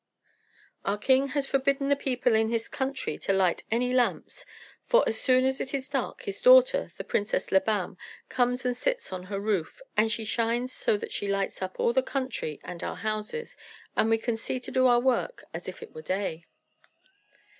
"Our king has forbidden the people in his country to light any lamps; for, as soon as it is dark, his daughter, the Princess Labam, comes and sits on her roof, and she shines so that she lights up all the country and our houses, and we can see to do our work as if it were day."